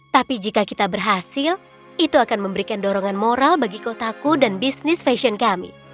tapi jika kita berhasil itu akan memberikan dorongan moral bagi kotaku dan bisnis fashion kami